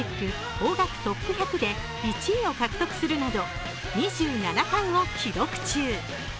邦楽トップ１００で１位を獲得するなど２７冠を記録中。